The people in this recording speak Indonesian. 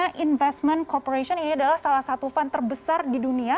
karena investment corporation ini adalah salah satu fund terbesar di dunia